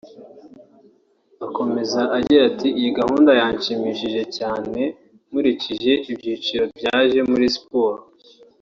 Akomeza agira ati “Iyi gahunda yanshimishije cyane nkurikije ibyiciro byaje muri siporo